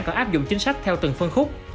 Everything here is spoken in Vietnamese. có áp dụng chính sách theo từng phân khúc